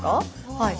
はい。